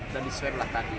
dan diswablah tadi